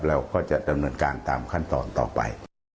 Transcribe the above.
เราก็จะดำเนินการตามขั้นตอนต่อไป